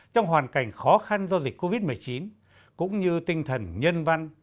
trong hoàn cảnh khó khăn do dịch covid một mươi chín cũng như tinh thần nhân văn